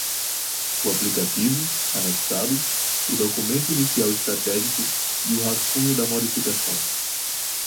O aplicativo, anexado, o Documento Inicial Estratégico e o rascunho da Modificação.